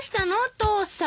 父さん。